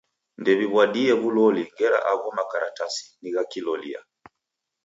Ndediw'adie w'uloli ngera agho makaratasi ni gha kilolia.